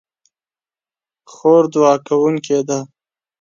خور د دعا کوونکې ده.